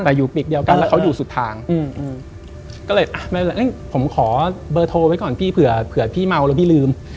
แต่อยู่ปีกเดียวกันแล้วเขาอยู่สุดทางก็เลยผมขอเบอร์โทรไว้ก่อนพี่เผื่อพี่เมาแล้วพี่ลืม